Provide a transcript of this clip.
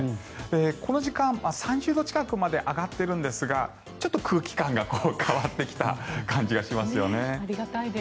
この時間、３０度近くまで上がっているんですがちょっと空気感が変わってきた感じがしますよね。